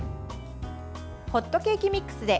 ホットケーキミックスで！